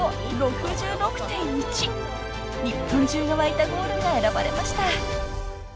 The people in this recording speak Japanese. ［日本中が沸いたゴールが選ばれました］